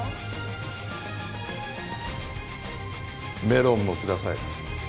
メロンもください。